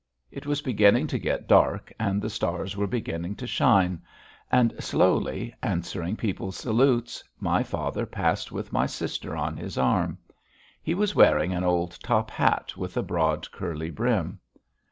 It was beginning to get dark and the stars were beginning to shine. And slowly, answering people's salutes, my father passed with my sister on his arm. He was wearing an old top hat with a broad curly brim.